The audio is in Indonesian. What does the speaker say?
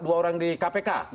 dua orang di kpk